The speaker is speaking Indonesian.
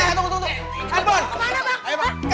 tunggu tunggu tunggu